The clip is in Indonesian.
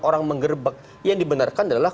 orang menggerbek yang dibenarkan adalah